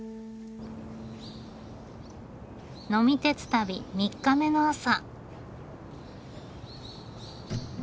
呑み鉄旅三日目の朝。